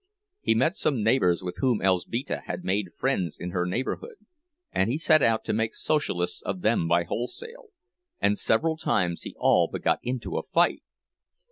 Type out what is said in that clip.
He met some neighbors with whom Elzbieta had made friends in her neighborhood, and he set out to make Socialists of them by wholesale, and several times he all but got into a fight.